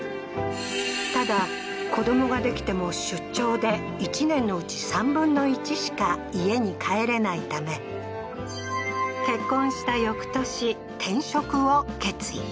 ただ、子供ができても、出張で１年のうち３分の１しか家に帰れないため、結婚した翌年、転職を決意。